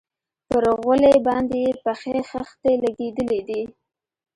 پر غولي باندې يې پخې خښتې لگېدلي دي.